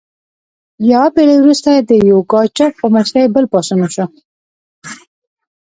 یوه پیړۍ وروسته د یوګاچف په مشرۍ بل پاڅون وشو.